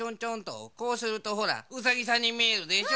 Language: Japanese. こうするとほらうさぎさんにみえるでしょ。